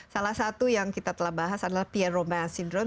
salah satu yang kita telah bahas adalah pierre roma syndrome